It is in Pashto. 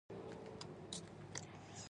رسۍ نه وي، ځینې کارونه نیمګړي پاتېږي.